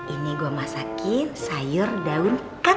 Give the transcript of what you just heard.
ini gua masakin sayur daun kaktek